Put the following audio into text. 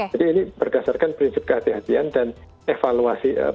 jadi ini berdasarkan prinsip kehatian kehatian dan evaluasi